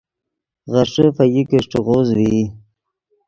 غیݰے فگیکے اݰٹے غوز ڤئی